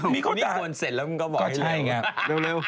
นี่กวนเสร็จแล้วมึงก็บอกให้เร็ว